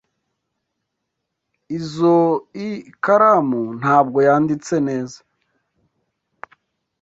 Izoi karamu ntabwo yanditse neza.